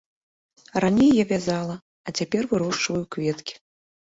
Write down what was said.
Раней я вязала, а цяпер вырошчваю кветкі.